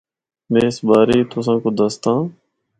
میں اس بارے ای تُساں کو دسداں آں۔